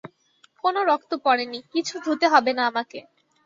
কোনো রক্ত পড়েনি, কিছু ধুতে হবে না আমাকে।